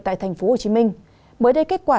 tại thành phố hồ chí minh mới đây kết quả